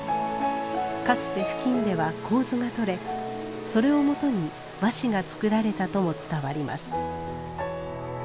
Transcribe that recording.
かつて付近では楮がとれそれをもとに和紙が作られたとも伝わります。